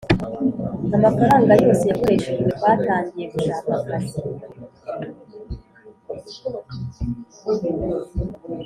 amafaranga yose yakoreshejwe, twatangiye gushaka akazi.